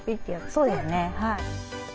そうですねはい。